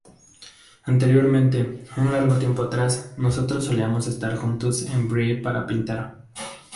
Anteriormente, un largo tiempo atrás, nosotros solíamos estar juntos en Brie para pintar.